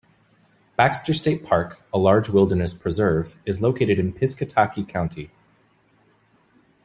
Baxter State Park, a large wilderness preserve, is located in Piscataquis County.